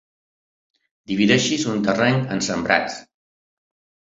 Divideixis un terreny en sembrats.